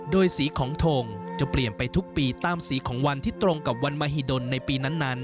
โดยสีของทงจะเปลี่ยนไปทุกปีตามสีของวันที่ตรงกับวันมหิดลในปีนั้น